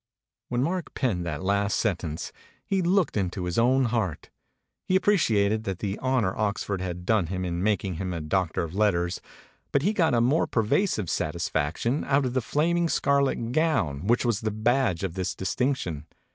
When Mark penned that last sentence he had looked into his own heart. He appreciated the honor Oxford had done him in making him a doc tor of letters, but he got a more pervasive satis faction out of the flaming scarlet gown which was the badge of this distinction.